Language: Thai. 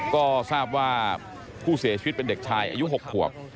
ก็ทราบว่าผู้เสียชีวิตเป็นเด็กชายอายุ๖ขวบ